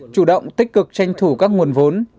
chủ động tích cực tranh thủ các nguồn vốn